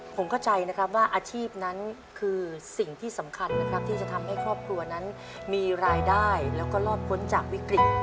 ผมเข้าใจนะครับว่าอาชีพนั้นคือสิ่งที่สำคัญนะครับที่จะทำให้ครอบครัวนั้นมีรายได้แล้วก็รอดพ้นจากวิกฤต